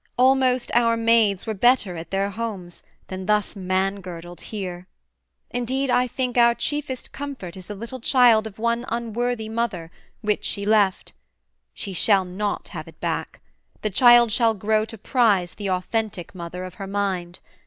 Almost our maids were better at their homes, Than thus man girdled here: indeed I think Our chiefest comfort is the little child Of one unworthy mother; which she left: She shall not have it back: the child shall grow To prize the authentic mother of her mind.